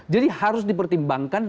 jadi harus dipertimbangkan